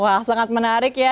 wah sangat menarik ya